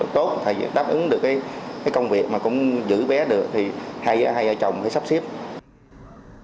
tốt đáp ứng được công việc mà cũng giữ bé được hay ở chồng hay sắp xếp